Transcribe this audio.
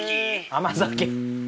「甘酒？